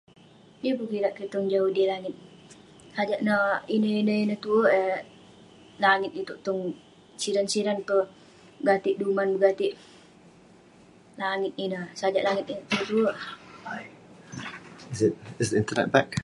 Yeng pun kirak kik tong joh udey langit, tajak neh ineh ineh ineh tue eh langit itouk tong siran siran peh gatik duman gatik langit ineh, sajak langit. [unintelligible]